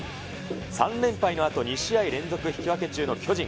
３連敗のあと、２試合連続引き分け中の巨人。